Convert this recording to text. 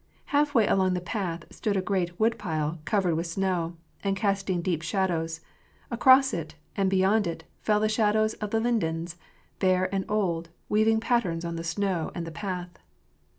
Half way along the path stood a great wood pile covered with snow, and casting deep shadows; across it, and beyond it, fell the shadows of the lindens, bare and old, weav ing patterns on the snow and the path.